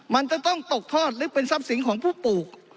มันจะต้องตกทอดหรือเป็นทรัพย์สินของผู้ปลูก